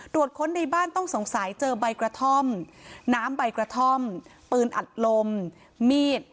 ค้นในบ้านต้องสงสัยเจอใบกระท่อมน้ำใบกระท่อมปืนอัดลมมีด